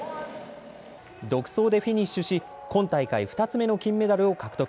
独走でフィニッシュし、今大会２つ目の金メダルを獲得。